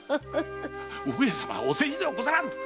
上様お世辞ではござらん！